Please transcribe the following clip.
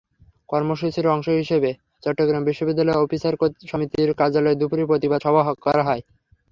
কর্মসূচির অংশ হিসেবে চট্টগ্রাম বিশ্ববিদ্যালয় অফিসার সমিতির কার্যালয়ে দুপুরে প্রতিবাদ সভা করা হয়।